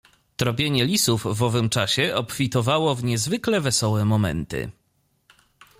"Tropienie lisów w owym czasie obfitowało w niezwykle wesołe momenty."